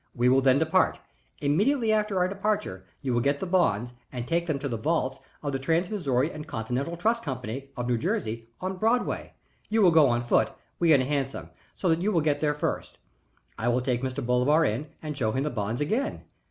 We will then depart. Immediately after our departure you will get the bonds and take them to the vaults of the Trans Missouri and Continental Trust Company, of New Jersey, on Broadway. You will go on foot, we in a hansom, so that you will get there first. I will take Mr. Bolivar in and show him the bonds again.